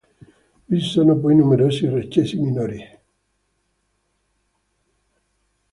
Vi sono poi numerosi recessi minori.